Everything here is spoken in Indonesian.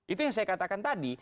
itu yang saya katakan tadi